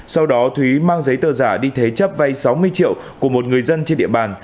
sau đó thúy mang giấy tờ giả đi thế chấp vay sáu mươi triệu của một người dân trên địa bàn